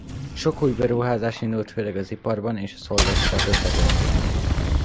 Sok új beruházás indult főleg az iparban és a szolgáltatások területén.